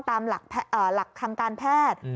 ตามหลักคำการแพทย์